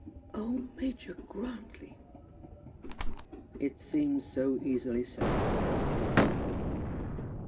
"Oh, Major Grantly!" "It seems so easily settled, does it not?"